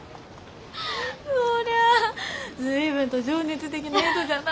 そりゃあ随分と情熱的な人じゃな。